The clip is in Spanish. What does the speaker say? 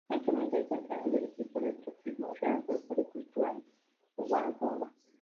Actualmente es entrenador del equipo de atletismo del Real Grupo de Cultura Covadonga.